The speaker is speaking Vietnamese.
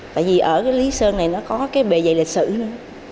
tại vì ở lý sơn này nó có cái bề dày lịch sử nữa